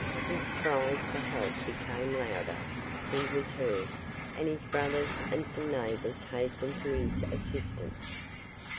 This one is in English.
His cries for help became louder he was heard, and his brothers and some neighbours hastened to his assistance.